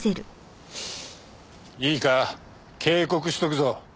いいか警告しとくぞ。